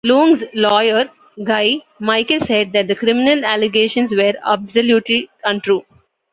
"Leung's lawyer, Guy Michael said, that the criminal allegations were "absolutely untrue.